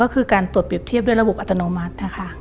๓การตรวจเปรียบเทียบด้วยระบุอัตโนมัติ